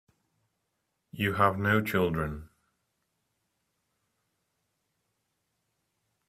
You have no children.